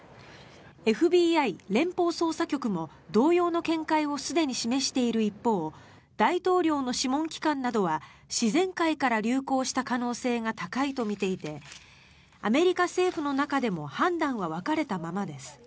ＦＢＩ・連邦捜査局も同様の見解をすでに示している一方大統領の諮問機関などは自然界から流行した可能性が高いとみていてアメリカ政府の中でも判断は分かれたままです。